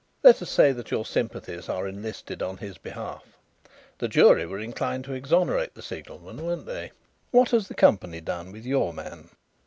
"Let us say that your sympathies are enlisted on his behalf. The jury were inclined to exonerate the signalman, weren't they? What has the company done with your man?"